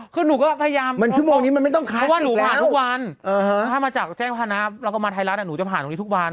คือหนูก็พยายามถ้ามาจากแจ้งธนาภาพแล้วก็มาไทยรัฐหนูจะผ่านตรงนี้ทุกวัน